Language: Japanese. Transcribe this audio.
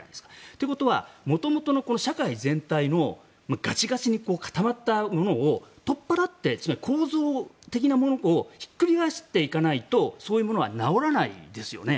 ということは元々の社会全体のガチガチに固まったものを取っ払って、構造的なものをひっくり返していかないとそういうものは直らないですよね。